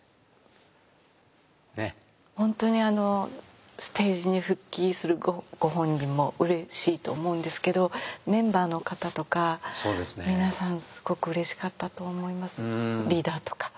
本当にステージに復帰するご本人もうれしいと思うんですけどメンバーの方とか皆さんすごくうれしかったと思いますリーダーとか。